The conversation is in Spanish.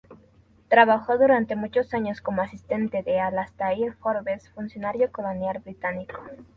Trabajó durante muchos años como asistente de Alastair Forbes, funcionario colonial británico.